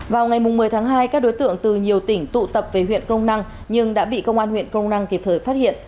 vào ngày một mươi tháng hai các đối tượng từ nhiều tỉnh tụ tập về huyện crong năng nhưng đã bị công an huyện crong năng kịp thời phát hiện